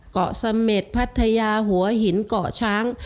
เกาะเสม็ดพัทยาหัวหินเกาะช้าง